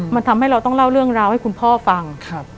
มันทำให้เราต้องเล่าเรื่องราวให้คุณพ่อฟัง